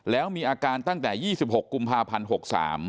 แล้วมีอาการตั้งแต่๒๖กุมภาพันธ์๖๓